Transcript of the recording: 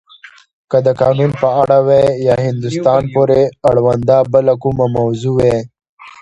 که د قانون په اړه وی یا هندوستان پورې اړونده بله کومه موضوع وی.